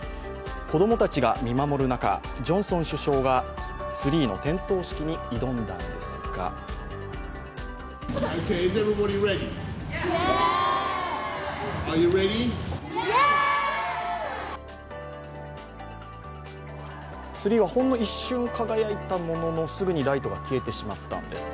子供たちが見守る中、ジョンソン首相がツリーの点灯式に挑んだんですがツリーは、ほんの一瞬輝いたものの、すぐにライトが消えてしまったんです。